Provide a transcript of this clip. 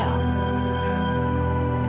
ya kita sudah pulang